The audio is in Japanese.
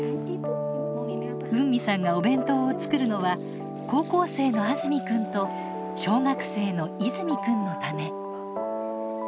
ウンミさんがお弁当を作るのは高校生のアズミくんと小学生のイズミくんのため。